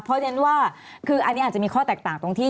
เพราะนว่าอันนี้อาจจะมีข้อแตกต่างตรงที่